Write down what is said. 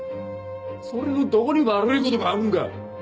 それのどこに悪いことがあるんか！